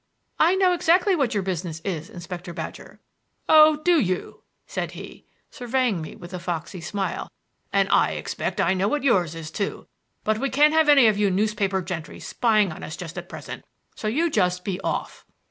"I know exactly what your business is, Inspector Badger." "Oh, do you?" said he, surveying me with a foxy smile. "And I expect I know what yours is, too. But we can't have any of you newspaper gentry spying on us just at present, so you just be off."